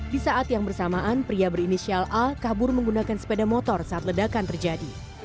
di saat yang bersamaan pria berinisial a kabur menggunakan sepeda motor saat ledakan terjadi